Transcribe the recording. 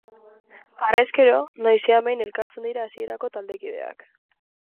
Harrezkero, noizean behin elkartzen dira hasierako taldekideak.